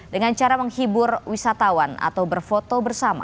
dengan cara menghibur wisatawan atau berfoto bersama